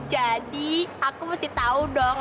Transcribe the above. jadi aku mesti tau dong